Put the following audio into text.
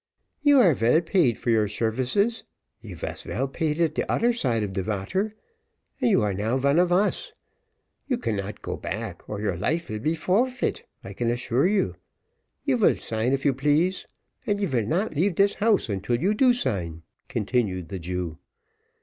"You are vell paid for your shervices you vas vell paid at doder side of de vater, and you are now von of us. You cannot go back, or your life vill be forfeit, I can assure you you vill sign if you please and you vill not leave dis house, until you do sign," continued the Jew.